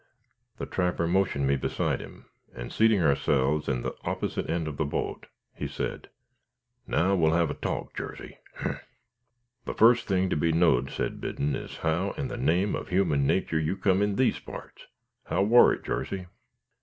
The trapper motioned me beside him, and seating ourselves in the opposite end of the boat he said: "Now we'll have a talk, Jarsey, ogh!" "The first thing to be knowed," said Biddon, "is how in the name of human natur you come in these parts. How war it, Jarsey?"